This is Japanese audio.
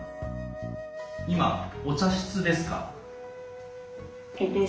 今お茶室ですか？